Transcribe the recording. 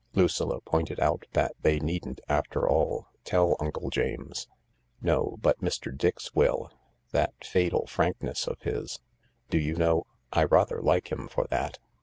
Lucilla pointed out that they needn't, after all, tell Uncle James. " No, but Mr. Dix will. That fatal frankness of his Do you know, I rather like him for that.